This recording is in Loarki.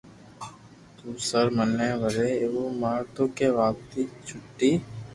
تو سر مني وري ايوُ مارتو ڪي واپسي ڇوتي